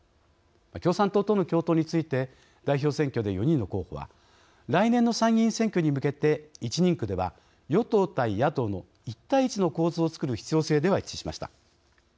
共産党との共闘について代表選挙で４人の候補は来年の参議院選挙に向けて１人区では与党対野党の１対１の構図をつくる必要性では一致しました。